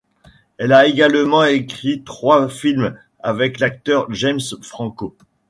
Elle a également écrit trois films avec l'acteur James Franco.